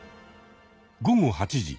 午後８時。